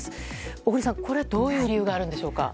小栗さん、これはどういう理由があるんでしょうか。